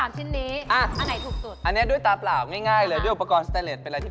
ไม่รู้หรอกว่าอันในของใครถูกสุดผมถูกสุด